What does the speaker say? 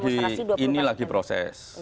ini lagi proses